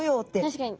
確かに！